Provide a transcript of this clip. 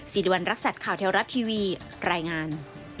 สิริวัณรักษัตริย์ข่าวเทวรัฐทีวีรายงาน